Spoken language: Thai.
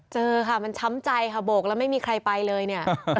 เจอค่ะมันช้ำใจค่ะโบกแล้วไม่มีใครไปเลยเนี่ย